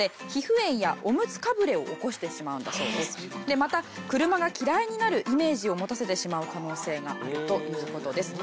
また車が嫌いになるイメージを持たせてしまう可能性があるという事です。